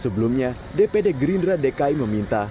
sebelumnya dpd gerindra dki meminta